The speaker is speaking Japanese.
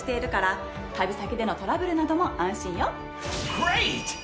グレイト！